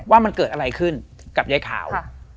ว่ามันเกิดอะไรขึ้นกับยายขาว